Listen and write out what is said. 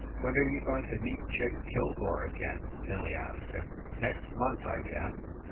"When are you going to meet Jake Kilgore again?" Millie asked him. "Next month, I guess.